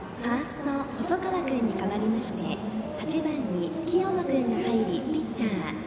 ファースト、細川君に代わりまして清野君が入り、ピッチャー。